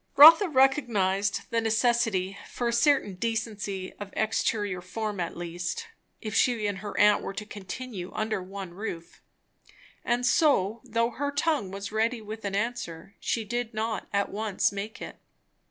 Rotha recognized the necessity for a certain decency of exterior form at least, if she and her aunt were to continue under one roof; and so, though her tongue was ready with an answer, she did not at once make it.